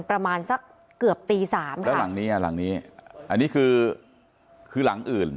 ประมาณสักเกือบตีสามค่ะแล้วหลังเนี้ยหลังนี้อันนี้คือคือหลังอื่น